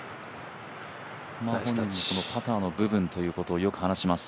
このパターの部分ということをよく話します。